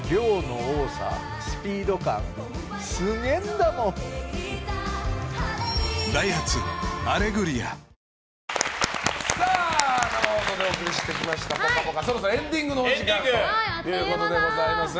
僕もサントリー「ＶＡＲＯＮ」生放送でお送りしてきました「ぽかぽか」そろそろエンディングのお時間ということでございます。